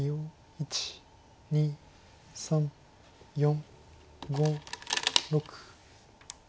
１２３４５６。